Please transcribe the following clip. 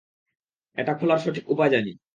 এটা খোলার সঠিক উপায় জানি।